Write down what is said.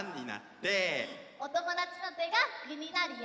おともだちのてがぐになるよ。